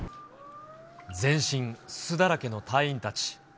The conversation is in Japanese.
全身すすだらけの隊員たち。